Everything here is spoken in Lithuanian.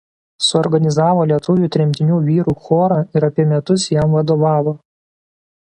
Suorganizavo lietuvių tremtinių vyrų chorą ir apie metus jam vadovavo.